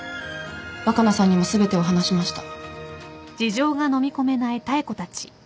若菜さんにも全てを話しました。